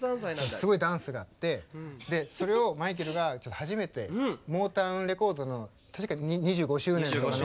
すごいダンスがあってそれをマイケルが初めてモータウン・レコードの確か２５周年の時の。